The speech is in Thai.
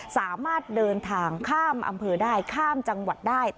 สามารถเดินทางข้ามอำเภอได้ข้ามจังหวัดได้